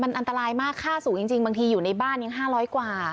อันตรายมากค่าสูงจริงบางทีอยู่ในบ้านยัง๕๐๐กว่า